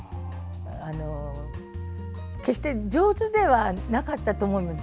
決して上手ではなかったと思うんです。